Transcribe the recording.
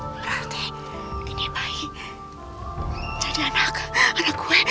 berarti ini bayi jadi anak anak gue